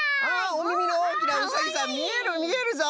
おみみのおおきなうさぎさんみえるみえるぞ！